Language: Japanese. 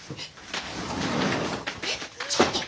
えっちょっと。